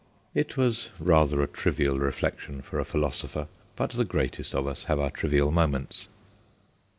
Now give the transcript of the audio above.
It was rather a trivial reflection for a philosopher, but the greatest of us have our trivial moments.